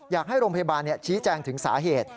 อยากให้โรงพยาบาลชี้แจงถึงสาเหตุ